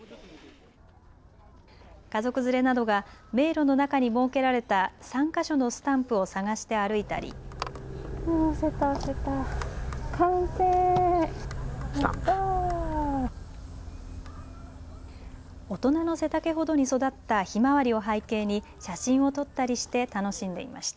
家族連れなどが迷路の中に設けられた３か所のスタンプを探して歩いたり、大人の背丈ほどに育ったひまわりを背景に写真を撮ったりして楽しんでいました。